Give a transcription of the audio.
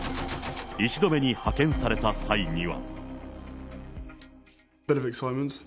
１度目に派遣された際には。